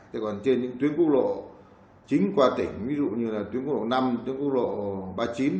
thế còn trên những tuyến quốc lộ chính qua tỉnh ví dụ như là tuyến quốc lộ năm tuyến quốc lộ ba mươi chín